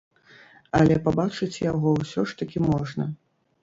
Але пабачыць яго ўсё ж такі можна.